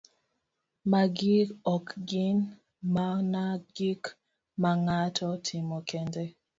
Magi ok gin mana gik ma ng'ato timo kende